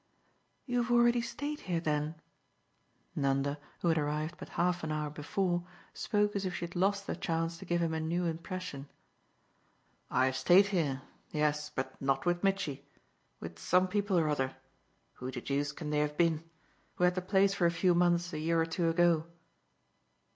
"You've already stayed here then?" Nanda, who had arrived but half an hour before, spoke as if she had lost the chance to give him a new impression. "I've stayed here yes, but not with Mitchy; with some people or other who the deuce can they have been? who had the place for a few months a year or two ago."